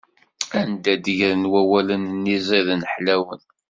Anda d-ggran wawalen-nni ẓiden ḥlawen?